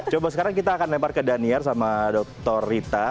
coba sekarang kita akan lempar ke daniar sama dr rita